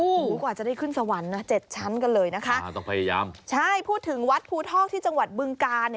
อู๋กว่าจะได้ขึ้นสวรรค์นะ๗ชั้นกันเลยนะคะใช่พูดถึงวัดภูทอกที่จังหวัดบึงกา